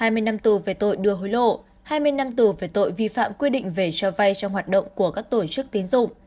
hai mươi năm tù về tội đưa hối lộ hai mươi năm tù về tội vi phạm quy định về cho vay trong hoạt động của các tổ chức tín dụng